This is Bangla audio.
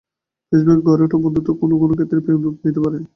ফেসবুকে গড়ে ওঠা বন্ধুত্ব কোনো কোনো ক্ষেত্রে প্রেমে রূপ নিতে পারে।